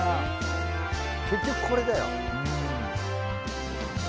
結局これだよ。